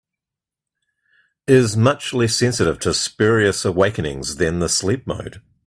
Is much less sensitive to spurious awakenings than the sleep mode.